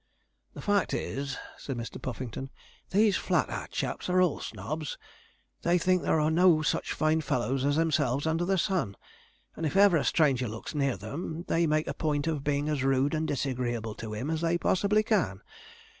'The fact is,' said Mr. Puffington, 'these Flat Hat chaps are all snobs. They think there are no such fine fellows as themselves under the sun; and if ever a stranger looks near them, they make a point of being as rude and disagreeable to him as they possibly can.